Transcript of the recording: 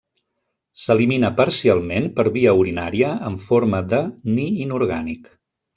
S'elimina parcialment per via urinària en forma de Ni inorgànic.